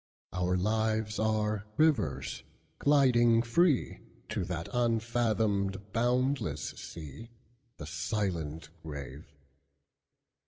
Our lives are rivers, gliding freeTo that unfathomed, boundless sea, The silent grave!